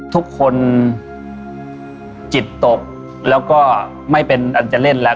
ทุกคนจิตตกแล้วก็ไม่เป็นอันจะเล่นแล้ว